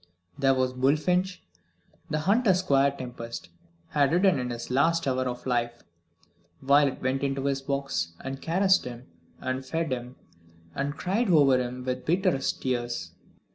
There was Bullfinch, the hunter Squire Tempest had ridden in his last hour of life. Violet went into his box, and caressed him, and fed him, and cried over him with bitterest tears.